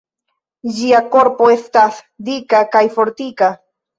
Ĝia korpo estas dika kaj fortika.